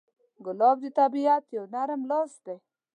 ګلاب د طبیعت یو نرم لاس دی.